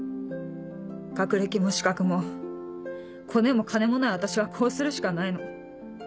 学歴も資格もコネも金もない私はこうするしかないの。